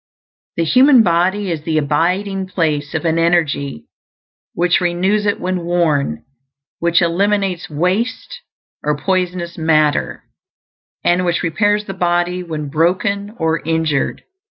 The human body is the abiding place of an energy which renews it when worn; which eliminates waste or poisonous matter, and which repairs the body when broken or injured.